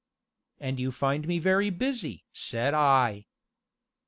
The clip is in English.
"And you find me very busy!" said I.